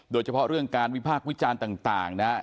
โดยเฉพาะเรื่องการวิพากษ์วิจารณ์ต่างนะครับ